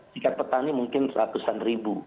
sikat petani mungkin seratus an ribu